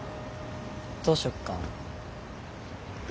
どうしよっかな。